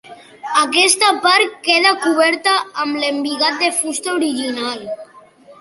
Aquesta part queda coberta amb l'embigat de fusta original.